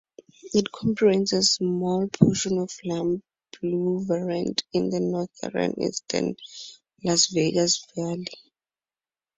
It comprises a small portion of Lamb Boulevard in the northeastern Las Vegas Valley.